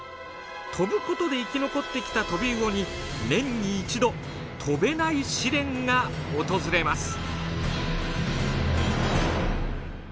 飛ぶことで生き残ってきたトビウオに年に一度飛べない試練が訪れます。